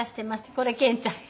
これ憲ちゃん